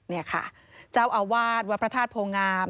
นี่ค่ะเจ้าอาวาสวัดพระธาตุโพงาม